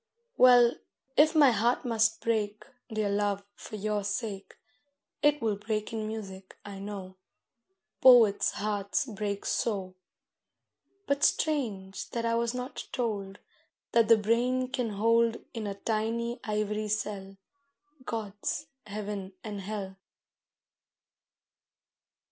Well, if my heart must break, Dear love, for your sake, It will break in music, I know, Poets' hearts break so. But strange that I was not told That the brain can hold In a tiny ivory cell God's heaven and hell.